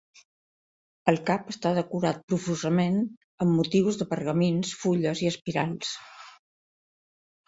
El cap està decorat profusament amb motius de pergamins, fulles i espirals.